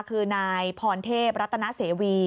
คือนายพรเทพรัตนเสวี